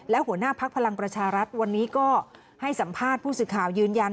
และหัวหน้าพักพลังประชารัฐวันนี้ก็ให้สัมภาษณ์ผู้สื่อข่าวยืนยัน